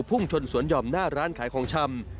พุ่งชนสวนห่อมหน้าร้านขายของชำ